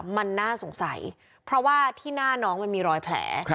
มันน่าสงสัยเพราะว่าที่หน้าน้องมันมีรอยแผล